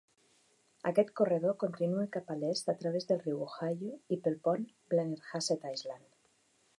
Aquest corredor continua cap a l'est a través del riu Ohio i pel pont Blennerhassett Island.